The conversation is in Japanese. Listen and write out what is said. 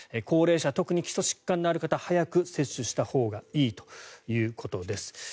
高齢者、特に基礎疾患がある方は早く接種したほうがいいということです。